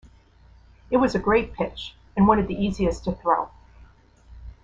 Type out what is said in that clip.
It was a great pitch and one of the easiest to throw.